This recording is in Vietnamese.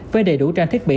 với đầy đủ trang thiết bị